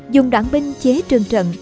dùng đoán binh chế trường trận